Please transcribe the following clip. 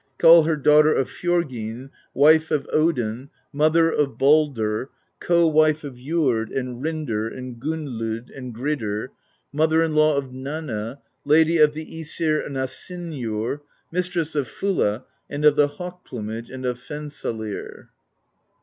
Call her Daugh ter of Fjorgynn, Wife of Odin, Mother of Baldr, Co Wife of Jord and Rindr and Gunnlod and Gridr, Mother in law of Nanna, Lady of the iEsir and Asynjur, Mistress of FuUa and of the Hawk Plumage and of Fensalir.